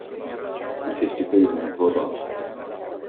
An Ciste Caomhnaithe Bradán.